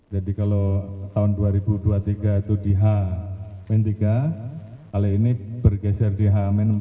jadi kalau tahun dua ribu dua puluh tiga itu di h tiga kali ini bergeser di h empat